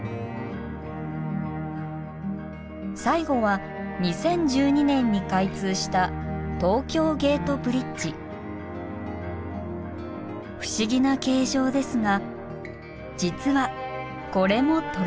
最後は２０１２年に開通した不思議な形状ですが実はこれもトラス橋。